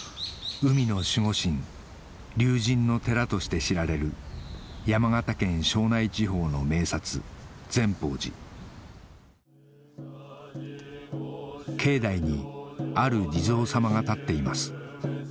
海の守護神竜神の寺として知られる山形県庄内地方の名刹善宝寺境内にある地蔵様が立っています